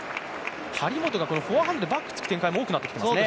張本がフォアハンドでバックを突く展開も多くなってきていますね。